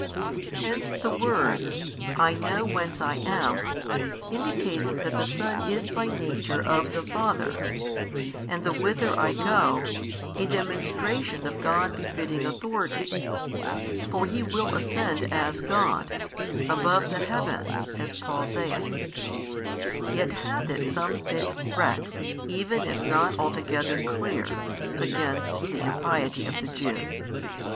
Hence the words I know whence I am, indicates that the Son is by Nature of the Father, and the whither I go, a demonstration of God befitting Authority (for He will ascend as God, above the heavens, as Paul saith); yet hath it some fit threat, even if not altogether clear, against the impiety of the Jews.